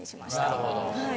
なるほど。